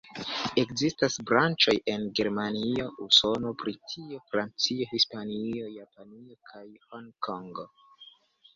Ekzistas branĉoj en Germanio, Usono, Britio, Francio, Hispanio, Japanio kaj Honkongo.